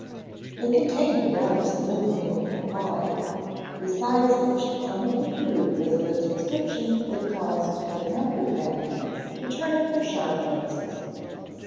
They contained a rather slim meal for five, besides which some of the food was of a description that caused the pampered family to turn up their sharp noses.